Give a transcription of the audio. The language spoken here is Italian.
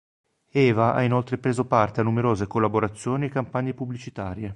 Eva ha inoltre preso parte a numerose collaborazioni e campagne pubblicitarie.